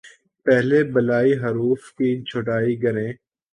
پہلے بالائی حروف کی چھٹائی کریں